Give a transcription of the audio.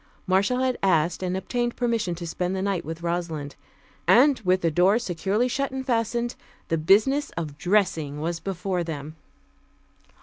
Marcia had asked and obtained permission to spend the night with Rosalind, and with the door securely shut and fastened, the business of dressing was before them.